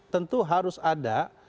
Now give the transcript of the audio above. tentu harus ada